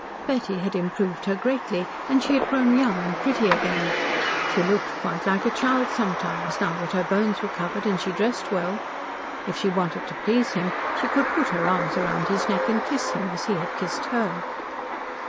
Betty had improved her greatly, and she had grown young and pretty again. She looked quite like a child sometimes, now that her bones were covered and she dressed well. If she wanted to please him she could put her arms round his neck and kiss him, as he had kissed her.